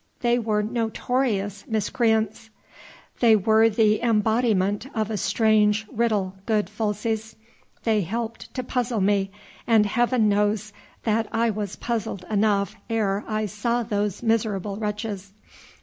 They were notorious miscreants." "They were the embodiment of a strange riddle, good Folces. They helped to puzzle me and Heaven knows that I was puzzled enough ere I saw those miserable wretches.